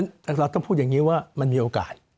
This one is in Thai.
ซึ่งเราต้องพูดอย่างนี้ว่ามันมีโอกาส